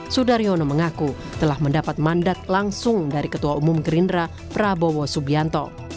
sudaryono mengaku telah mendapat mandat langsung dari ketua umum gerindra prabowo subianto